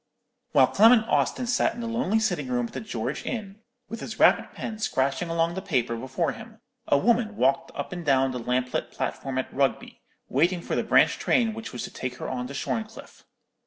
While Clement Austin sat in the lonely sitting room at the George Inn, with his rapid pen scratching along the paper before him, a woman walked up and down the lamp lit platform at Rugby, waiting for the branch train which was to take her on to Shorncliffe.